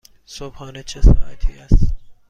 صبحانه چه ساعتی است؟